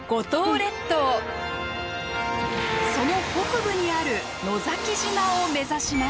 その北部にある野崎島を目指します。